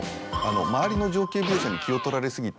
周りの情景描写に気を取られ過ぎて。